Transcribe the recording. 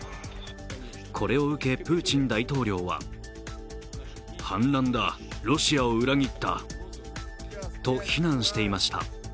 これを受け、プーチン大統領はと非難していました。